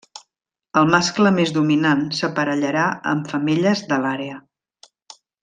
El mascle més dominant s'aparellarà amb femelles de l'àrea.